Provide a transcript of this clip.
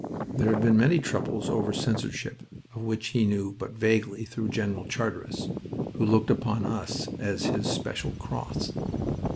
There had been many troubles over censorship, of which he knew but vaguely through General Charteris, who looked upon us as his special "cross."